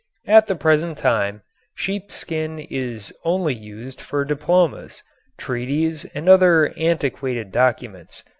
At the present time sheepskin is only used for diplomas, treaties and other antiquated documents.